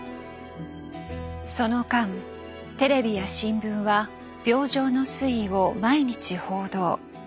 その間テレビや新聞は病状の推移を毎日報道。